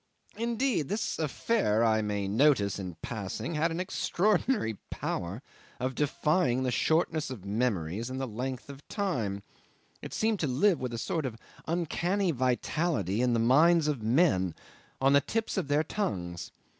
Indeed this affair, I may notice in passing, had an extraordinary power of defying the shortness of memories and the length of time: it seemed to live, with a sort of uncanny vitality, in the minds of men, on the tips of their tongues.